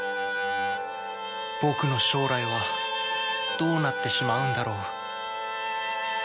僕の将来はどうなってしまうんだろう？